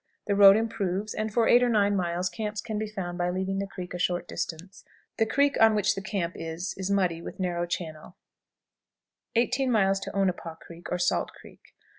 The road improves, and for 8 or 9 miles camps can be found by leaving the creek a short distance. The creek on which the camp is muddy, with narrow channel. 18. Onapah Creek, or Salt Creek.